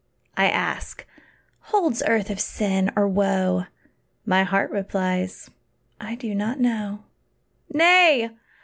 I ask, "Holds earth of sin, or woe?" My heart replies, "I do not know." Nay!